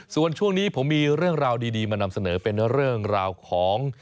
ส่วนช่วงนี้ผมมีเรื่องราวดีมานำเสนอเป็นเรื่องราวของ